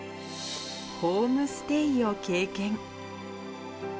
ホームステイを経験。